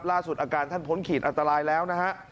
ล่าสุดอาการท่านพ้นขีดอันตรายแล้วนะฮะ